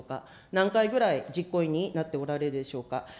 何回ぐらい実行委員になっておられるでしょうか。